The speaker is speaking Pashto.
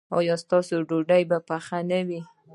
ایا ستاسو ډوډۍ به پخه نه وي؟